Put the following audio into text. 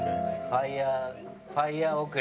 ファイヤーファイヤー送り。